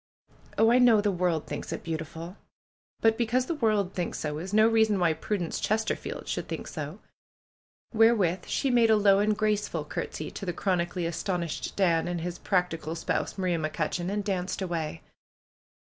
'^Oh, I know the world thinks it beautiful ! But be cause the world thinks so is no reason why Prudence Chesterfield should think so !" wherewith she made a low and graceful courtesy to the chronically astonished Dan and his practical spouse, Maria McCutcheon, and danced away.